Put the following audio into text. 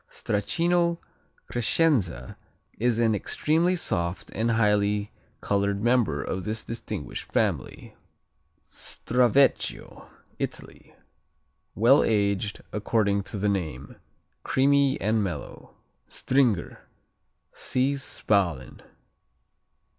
Stracchino Crescenza is an extremely soft and highly colored member of this distinguished family. Stravecchio Italy Well aged, according to the name. Creamy and mellow. Stringer see Spalen.